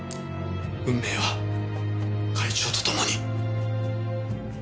運命は会長とともに。